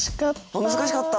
あっ難しかった？